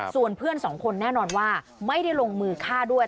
ส่วนเพื่อนสองคนแน่นอนว่าไม่ได้ลงมือฆ่าด้วย